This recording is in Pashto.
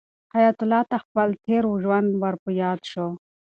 حیات الله ته خپل تېر ژوند ور په یاد شو.